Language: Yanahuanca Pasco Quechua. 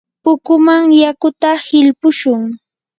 pukuman yakuta hilpushun.